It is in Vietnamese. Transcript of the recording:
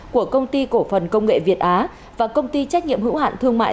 của công ty cổ phần công nghệ việt á và công ty trách nhiệm hữu hạn thương mại